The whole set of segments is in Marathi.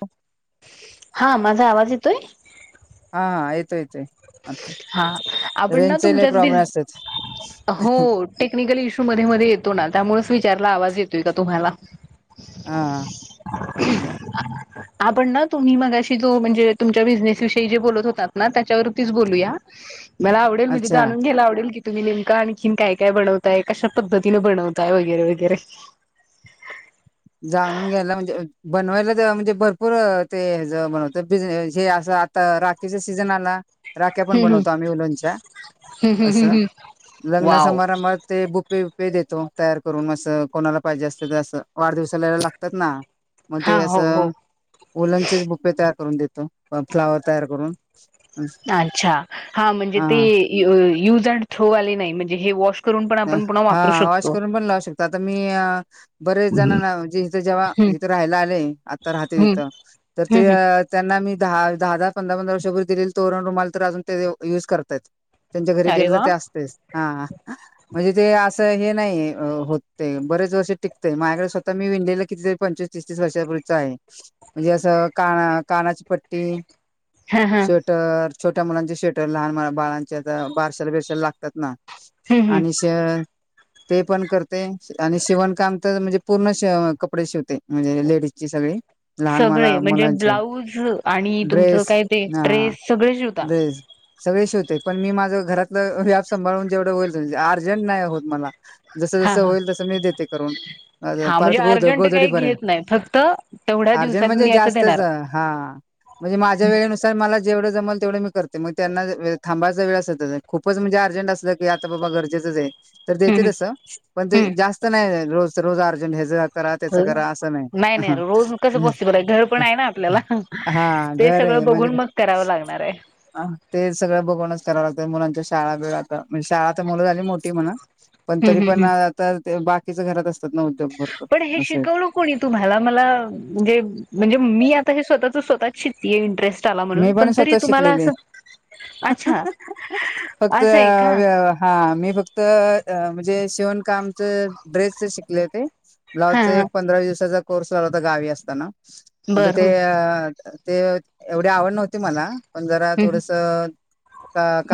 हो. हा. माझा आवाज येतोय. हा, हा. येतो येतोय. आता हा. आपण ना रेंजचे लय तुमच्याच डि प्रॉब्लेम असतात हो टेक्निकल इशु मधे मधे येतो ना. त्यामुळे वि - - चारलं आवाज येतोय का तुम्हाला? हा, हा, [unintelligible] आपण ना तुम्ही मगाशी जो म्हणजे तुमच्या बिझनेस विषयी जे बोलत होतात ना, त्याच्यावरतीच बोलूया. मला आवडेल मजे अच्छा जाणून घ्यायला आवडेल कि तुम्ही नेमकं आणखीन काय काय बनवताय? कशा पद्धतीनं बनवताय? वगैरे वगैरे [inaudible] जाणून घ्यायला म्हणजे बनवायला म्हणजे भरपूर ते बनवत बिने हे अस- - आता राखीचा सीझन हेना राख्या पण हम्म बनवतो आम्ही उलनच्या. हम्म हम्म हम्म असं हम्म लग्न वाव समारंभात ते बुपे पे देतो तयार करून असं कोणाला पाहिजे असतं तर, असं वाढदिवसाला लागतात ना? मग ते हा हो हो असं ओलंंचेच बुपे तयार करून देतो. फ्लावर तयार करून अच्छा हा म्हणजे ते अ यूज अँड थ्रो वाले नाही म्हणजे हे वॉश करून पण आपण पुन्हा हा वापरू वॉश शकतो करून पण लावू शकतो आता मी बरेच हम्म जणांना म्हणजे इथ जेव्हा इथं राहायला आले आता राहते हम्म तिथं तर ते हम्म त्यांना मी दहा दहा दहा पंधरा पंधरा वर्षापूर्वी दिलेले तोरण रुमाल तर अजून ते युज करतयत. त्यांच्या घरी अरे गेलं तर वा! ते असतेच हा म्हणजे ते असं हे नाही होते बरेच वर्ष टिकतय माझ्याकडे स्वतः मी विणलेलं कितीतरी पंचवीस तीस तीस वर्षांपूर्वीच आहे म्हणजे असं काना कानाची पट्टी हा हा स्वेटर छोट्या मुलांचे श्वेटर लहान बाळांचे आता बारशाल बिरशाला लागतात ना हम् हम् इश ते पण करते आणि शिवणकाम तर म्हणजे पूर्ण कपडे शिवते म्हणजे लेडीजची सगळी लहान सगळे मला म्हणजे मुलांचे ब्लाऊज आणि तुमचं ड्रेस काय ते हा ड्रेस सगळे शिवता? ड्रेस सगळे शिवते पण मी माझ घरातलं व्याप सांभाळून जेवढ होईल त अर्जंट नाय होत मला जस हा जसं हा होईल तसं मी देते करून अ हा पार म्हणजे गोध अर्जंट काही गोधडीपर्यंत घेत नाही फक्त तेवढ्या अर्जंट दिवसात म्हणजे मी असं जास्तच देणार. हा म्हणजे माझ्या वेळेनुसार मला जेव जमल तेवढ मी करते म त्यांना वे थांबायचं वेळ असेल तस खूपच म्हणजे अर्जंट असल कि आता बाबा गरजेचच ये तर देते हम्म तस पण ते हम्म जास्त नाही रोज रोज अर्ज ह्याज करा त्याच हम्म. करा अस रोज कसं नाही पॉसिबल आहे घर पण हा आहे ना आपल्याला. हा ते सगळं घरय म्हणजे बघून काय मग करावं लागणार आहे. अ तेच सगळं बघुनच कराव लागतं मुलांच्या शाळा बिळा म्हणजे शाळा तर मुलं झाली मोठी म्हणा पण हम्म तरी हम्म पण हम्म. आता ते बाकीच घरात अस पण हे शिकवल कोणी तुम्हाला मला म्हणजे म्हणजे मी आता हे स्वता स्वतःच शिकतीये इंटरेस्ट आला मी म्हणून पण तरी स्वतः तुम्हाला शिकलेले अस फक्त असं आहे का? आ हा मी फक्त अ म्हणजे शिवण कामच ड्रेसच शिकले हो ते हा ब्लाउजच हा एक पंधरा दिवसाचा कोर्स लावला होता गावी असताना म्हणजे बरं ते हम्म ते एवढी आवड नव्हती मला पण जरा हम्म. थोडस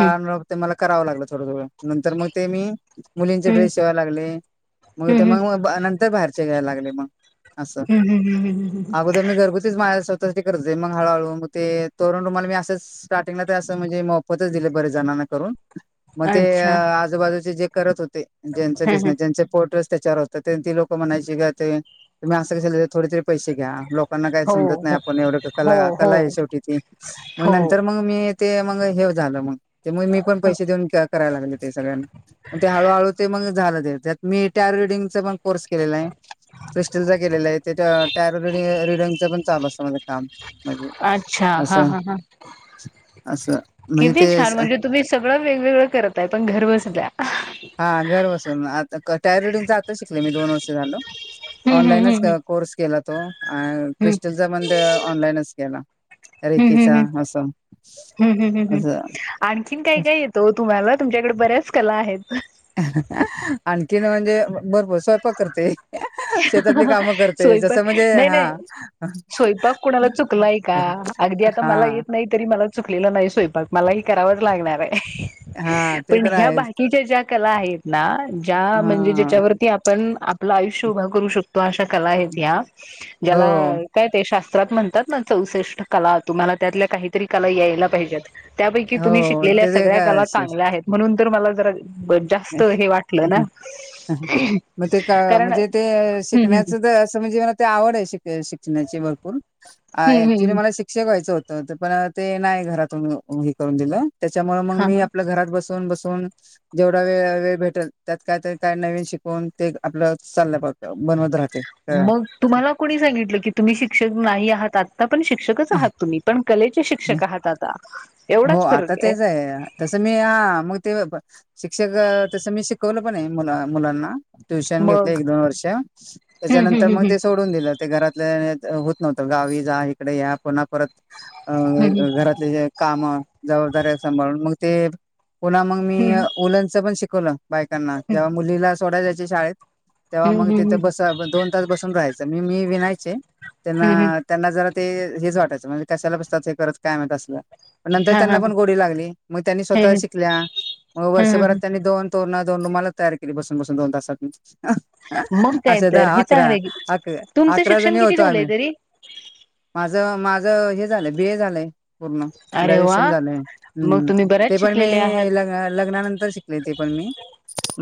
हम्म ते मला करावं लागलं थोडं थोडं नंतर मग ते मी मुलींचे हम्म ड्रेस शिवाय लागले मग ते हम्म मग नंतर बाहेरचे घ्यायला लागले मग असं हम्म हम्म हम्म हम्म हम्म हम्म अगोदर मी घरगुतीच माझ्या स्वतः साठी करत होते मग हळूहळू मग ते तोरण रुमाल मी असंच स्टार्टिंगला ते असं म्हणजे मोफतच दिले बरे जणांना करून मग ते अच्छा आजूबाजूचे जे करत होते ज्यांचे हम्म हम्म बिझनेस ज्यांचे पोर्ट्रेस त्याचावर होत तन ती लोकं म्हणायची ग ते तुम्ही असं कशाला दे थोडं तरी पैसे घ्या लोकांना काही हो समजत नाही हो आपण एवढं कला हो कला आहे शेवटी ती मग हो नंतर मग मी ते मग हे झालं मग त्यामुळे मी पण हो पैसे देऊन करायला लागले ते सगळ्यांना पण ते हळूहळू ते मग झालं त्याचात मी टार्गेटीगचा पण कोर्स केलेला आहे, क्रिस्टलचा केलेला आहे त्याचा ट्यारो रिडी रिडिंगच पण चालू असतं माझ काम म्हणजे अच्छा हा असं हा हा असं म्हणजे किती छान ते म्हणजे तुम्ही सगळं वेगवेगळं करताय पण घर बसल्या. हा घर बसून आता टायर रिडिंग च आता शिकलेय मी दोन वर्ष झाल. हम्म ऑनलाईनच हम्म कोर्स केला तो अ हम्म क्रिस्टलचा पण तो ऑनलाईनच केला रेकीेचा असं ह ह ह ह असं आणखीन काय काय येत ओ तुम्हाला तुमच्याकडे बऱ्याच कला आहेत. आणखीन म्हणजे भरपूर स्वयंपाक करते. [inaudible] शेतातली कामं करते जसं स्वयपाक म्हणजे नाही हा. नाही स्वयपाक कुणाला चुकलाय का अगदी आता मला हा येत नाही तरी मला चुकलेलं नाही स्वयंपाक मलाही करावाच लागणाराय. हा ते पण तर ह्या आहेच बाकीच्या ज्या कला आहेत ना ज्या म्हणजे हा. ज्याच्यावरती आपण आपलं आयुष्य उभं करू शकतो अशा कला आहेत या्या हो ज्याला काय ते शा त्रात म्हणतात ना चौसष्ट कला तुम्हाला त्यातल्या काहीतरी कला यायला पाहिजेत. त्यापैकी तुम्ही हो शिकलेल्या ते ते सगळ्या काय कला चांगल्या आहेत म्हणून तर मला जरा जास्त असेल. हे वाटलं ना मग ते का कारण म्हणजे ते हम्म शिकण्याचं तर असं म्हणजे मला ते आवड आहे शिक्षणाची भरपूर अ हम्म ऍक्च्युली हम्म मला शिक्षक व्हायचं होतं पण ते नाही घरातून हे करून दिलं त्याच्यामुळे मग हा मी आपल्या घरात बसून बसून जेवढ वे वेळ भेटेल त्यात कायतरी काय नवीन शिकवून ते आपलं चाल बनवत राह मग तुम्हाला कोणी सांगितलं की तुम्ही शिक्षक नाही आहात आता पण शिक्षकच आहात तुम्ही पण कलेचे शिक्षक आहात आता हो एवढाच आता फरक तेच आहे तसं मी हा मग ते शिक्षक तस मी शिकवलं पण आहे मु मुलांना ट्युशन घेतले मग एक दोन वर्ष हम्म त्याच्यानंतर हम्म मग हम्म ते सोडून दिलं ते घरात होत नव्हत गावी जा इकडे या पुन्हा परत अ हम्म घरातले जे काम जबाबदारी्या सांभाळून मग ते पुन्हा मग मी हम्म उलनच पण शिकवलं बायकांना जेव्हा मुलीला सोडायला जायचे शाळेत तेव्हा हम्म मग तिथे हम्म बस दोन तास बसून राहायचं मी मी विनायचे त्यांना हम्म हम्म. त्यांना जरा ते हेच वाटायचं म्हणजे कशाला बसतात हे करत काय मात असलं नंतर हा त्यांना हा पण गोडी लागली मग त्यांनी स्वतः ह शिकल्या मग ह वर्षभरात त्यांनी दोन तोरणत दोन रुमाल तयार केली बसून बसून दोन तासात मग काय अशा तर दहा हे चांगलं अकरा आहे की अक तुमचं अकरा शिक्षण जणी किती होतो झालंय आम्ही तरी माझ माझं हे झालंय बीए झालंय पूर्ण अरे वा ग्रॅज्युएशन झालं मग हम्म तुम्ही बऱ्याच ते पण मी शिकलेले आहात लग् लग्नानंतर शिकले ते पण मी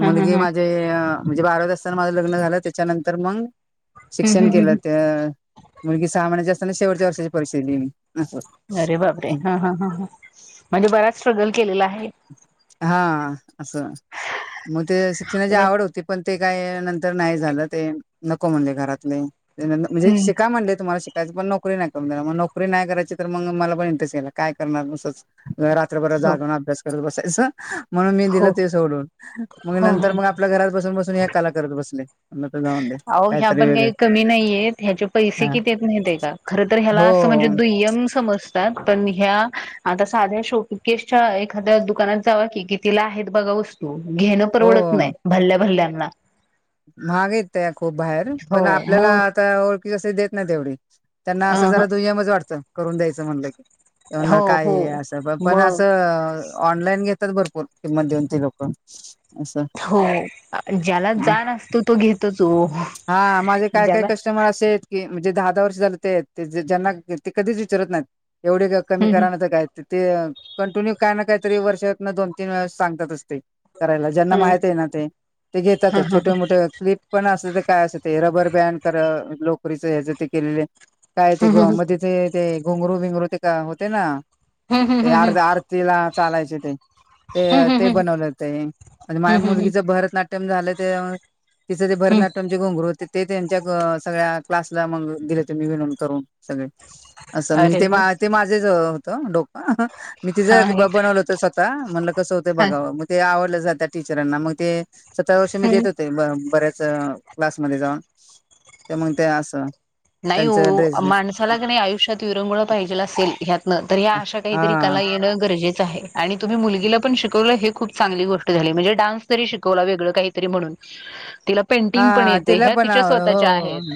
ह ह मुलगी ह माझे म्हणजे बारावीत असताना माझं लग्न झालं त्याच्यानंतर मग हम्म शिक्षण हम्म हम्म, केलं त्या मुलगी सहा महिन्याच्या असताना शेवटच्या वर्षाची परीक्षा दिली मी असं अरे बापरे हा हा ह म्हणजे बराच स्ट्रगल केलेला आहे. हा असं मग ते शिक्षणाची उलट- आवड होती पण ते काय नंतर नाही झालं ते नको म्हणले घरातले म्हणजे शिका म्हणले तुम्हाला शिका त्या पण नोकरी नाही करून देणार मग नोकरी नाही करायची तर मग मला पण इंटरेस्ट याला काय करणार दुसरं रात्रभर हो जागून अभ्यास करत बसायचं. म्हणून मी हो दिलं ते सोडून मग हो हो. नंतर मग आपल्या घरात बसून बसून ह कला करत बसलेय. तर जाऊन दे अहो ह्या पण काही कमी नाहीयेत ह्याचे पैसे हा किती येत नाही का खरं तर ह्याला हो असं म्हणजे दुय्यम समजतात पण ह्या आता साध्या शोकेशच्या एखाद्या दुकानात जावा की कि तिला आहेत बघा वस्तू घेणं परवडत नाही भल्ल्या भल्ल्यांना माहागित खूप बाहेर हो पण आपल्याला मग आता ओळखी कसशी देत नाही तेवढी त्यांना अ असं जरा दुय्यम च वाटतं करून द्यायचं म्हणलं की हो हो काय असं पण पण मग असं ऑनलाईन घेत. भरपूर किंमत देऊन असं हो ज्याला जाण असतो तो घेतो हा माझे काय काय कस्टमर असेल की म्हणजे दहा दहा वर्ष झालं ते ते ज्यांना ते कधीच विचारत नाही एवढे कमी हम्म कराण तर काय ते कंटिन्यू काय ना काही तरी वर्षात दोन तीन वेळा सांगतात ते करायला ज्यांना माहित आहे ना ते घेतातच छोटे मोठे क्लिप पण असतं काय असतं ते रबर बॅन कर लोकरीच हच ते केलेले काय ते हम्म गोवामध्ये ते ते घुंगरू बिंगरू ते का होते ना ते हम्म आरती आरतीला चालायचे ते ते ते हम्म बनवलं हो ते माझ्या हम्म मुलगीचं भरतनाट्यम झालं ते तिचं ते हम्म भरनाट्य ते त्यांच्या सगळ्या क्लासला मग दिले हो मी विनून करून सगळे असं म्हणजे अरे ते मा ते माझेच होतं डोकं मी हा तिझं बनवलं होत स्वतः म्हणलं कसं होतं बघावं मग ते आवड जात टीचरांना मग ते सतरा वर्ष मी हम्म देत होते बऱ्याच क्लासमध्येध्ये जाऊन त्या मग ते असं नाही त्यांच हो ड्रेस माणसाला की नाही आयुष्यात विरंगुळ पाहिजेला असेल ह्यातन तर ह्या अशा काहीतरी कला हा येणं गरजेचं आहे आणि तुम्ही मुलगीला पण शिक श खप चांगली गोष्ट झाली म्हणजे डान्स तरी शिकवला वेगळं काहीतरी म्हणून तिला पेंटिंग पण हा येते तिला ह्या पण तिच्या आवड स्वतःच्या हो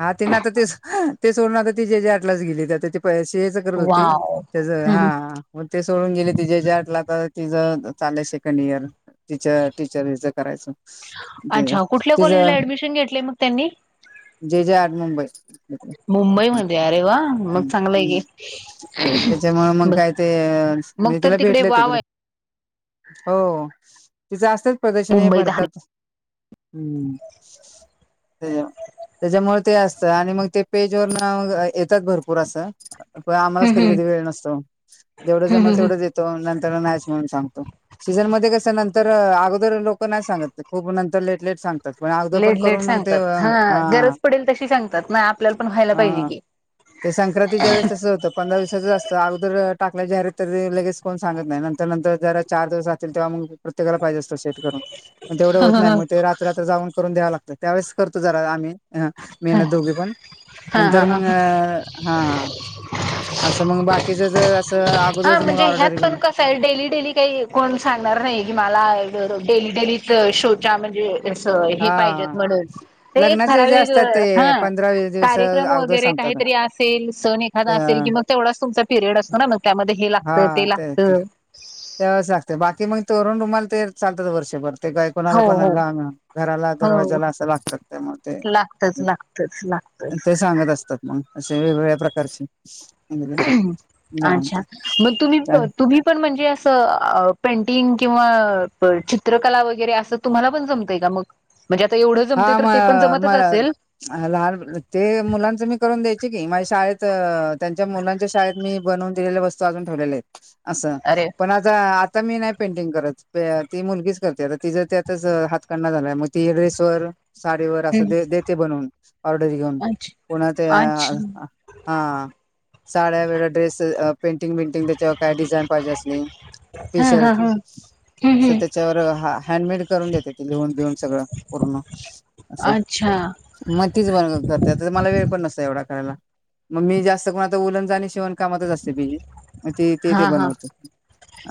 हा ते ना आता ते सोडून आता त जे जे क्लास घेती करत होती वाव त्या हम्म हा ते सोडून गेले आठ लाख तिचं चालय सेकंड इयर टीचर टीचर विच करायचं म्हणजे अच्छा कुठल्या कॉलेजला ऍडमिशन घेतलंले मग त्यांनी जे जे आर्ट मुंबई मुंबईमध्ये अरे वा मग चांगलं आहे की त्यांच्यामुळे मग ब काय ते अ मग म्हणजे तर तिला तिकडे भेटलंय वाव तिकडं आहे हो तिचं असतच प्रदर्शन हे मुंबईत हा भरतात हम्म त्या त्याच्यामुळे ते असतं आणि मग ते पेज वर ना येतात भरपूर असं पण आम्हालाच हम् कधी हम् कधी वेळ नसतो जेवढं हम् जमलं हम् हम तेवढंच देतो पण सांगतो सीझन मग कसं नंतर अगोदर लोक नाही सांगत खूप नंतर लेट लेट सांगतात पण अगदं पण लेट लेट करून मग ते सांगतात हा गरज पडेल तशी सांगतात ना आपल्याला पण व्हायला पाहिजे हा की ते संक्रांतीच्या वेळेस तसं हों पंधरा वीस अगोदर टाकलं जाहीरात लगेच कोण सांगत नाही नंतर नंतर जरा चार दिवस जातील तेव्हा मग प्रत्येकाला पाहिजे अस सेट करून, तेवढं होत नाही ह मग तेऽऽ करून द्याव लागत,, त्यावेळेस करतो जरा आम्ही मेहनत, दोघे पण, हा हा नंतर हा मग अं, हा हा, असं मग बाकीच जऽऽ हा, म्हणजे ह्यात पण कसयं, डेली, डेली काही कोण सांगणार नाही की मलाऽऽ डेली डे, लीत शोच्या म्हणजेऽऽ सं हे हा पाहिजेत म्हणून,, ते एक लग्नाचे जे ठराविक, असतात ते हं, पंधरा वीस दिवस कार्यक्रम अगोदर वगैरे काऽऽ सांगतात काहीतरी असेल, सण ते एखादा असेल, कि मग तेवढाच तुमचा पिरियड असतो ना मऽ त्यामध्ये हे लागतं, ते लागतं तेवाच लागते, बाकी मग तोरण रुमाल तेन चालतात वर्षभर. ते गय कोणाला हो पण हो घा घराला हो दरवाजाला असं लागतात त्या म ते. लागतच लागतच लागतच ते सांगत असतात मग, असे वेगवेगळ्या प्रकारचेऽ अच्छा,, मग तुम्ही, तुम्ही पण म्हणजेऽ असं अं पेंटिंग किंवा ब चित्रकला वगैरे असं तुम्हाला पण जमतय का मग, म्हणजे आता एवढं जमते हां,, तर म ते पण म जमतच असेल लहान ते मुलांच मी करून द्यायचे की माझ्या शाळेत, अं ऽऽत्यांच्या मुलांच्या शाळेत मी बनवून दिलेल्या वस्तू अजून ठेवलेले हाइत. असं,, अरे पण आताऽ आता मी नाही पेंटिंग करत,, ती मुलगीच करत्या आता तिजं त्यातच हातकंडा झालाय, मग ती ्रेसऽऽ साडीवर असं हम्म ते देते बनवून, ऑर्डरी घेऊन, पुन्हा अच्छा तेऽअं अच्छा हां,, साड्या वेळं ड्रेस अं पेंटिंग, बेंटिंग त्याच्यावर काय डिझाईन पाहिजे असेल. टी हा हा शर्ट,, हा हम्म असं हम्म. त्याच्यावर हँडमेड करून देते, त लिहून बिहून सगळं, पूर्ण, असं, अच्छा म तीच बनव करत्या, मला वेळ पण नसतय एवऽऽ ला, मग मी जास्त करून आता ऊलनऽऽ शीवण कामातच असतय ती, म ती ते ते बनवत्याऽऽ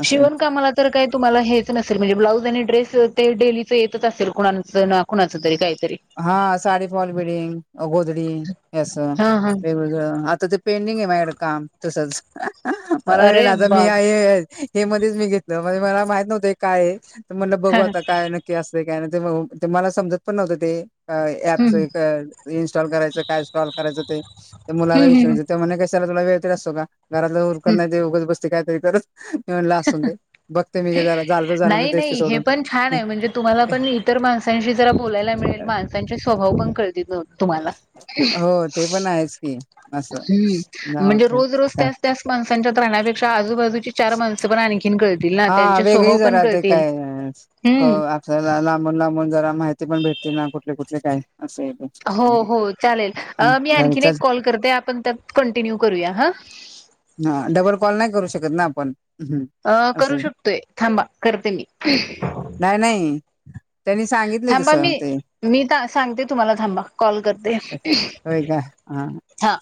शिवण कामाला तर काय तुम्हाला हेच नसेल म्हणजे ब्लाऊज आणि ड्रेस, ते डेलीच येतच असेल कुणाचं, ना कुणाचं तरी काही. हा. साडी फॉल बिडिंग, अं गोदडी हे असं हा हा वेगवेगळं, आता ते पेंडिंग आहे माझ्यकडं काम, तसच अहं अहं मला वेळ अरे नाइ, मी बाप आहे हे मध्येच मी घेतलं, म्हणजे मला माहित नव्हतं हे काय, तर म्हणलं बघू हा हा. आता काय नक्की असं ते काय नाही, ते ते मला समजत पण नव्हतं ते. ऍपच हम्म अं इन्स्टॉल करायचं, काय स्टॉल करायचं, ते मुलाला हम्म हम्म विचारायचं तो म्हणलं कशाला तुला वे सतो का, घराला हम्म उकरलाय त्यो उगच बसतय, काय तरी मी मनलं असूंदे, बघते मी झालं तर झालं ते नाही देते नाही हे सोडून. पण छान आहे म्हणजे तुम्हाला पण इतर माणसांशी जरा बोलायला मिळेल, माणसांचे स्वभाव पण कळतील गं. हो, ते पण आहेच की. असं हम्म, जाऊ म्हणजे दे रोज, रोज काय. त्याच त्याच माणसांच्यात करण्यापेक्षा आजूबाजूची चार माणसं पण आणखीन कळ आ वेगळी जरा ते काय हम्म आपल्याला लांबून, लांबून. जरा माहिती पण भेटते ना कुठले, कुठले काय? असं आहे ते हो, हो, चालेल. अं मी हम्म आणखीन एक चल कॉल करते, आपण त्यात कंटिन्यू करूया हं. हां, डबल कॉल नाही करू शकत ना आपण हम्म. अं करू असं शकतोय. थांबा करते मी, थां अस ते. मी सांगते तुम्हाला थांबा. कॉल करते. होय का हा.